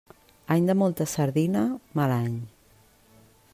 Any de molta sardina, mal any.